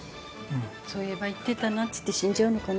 そういえば言ってたなって言って死んじゃうのかな？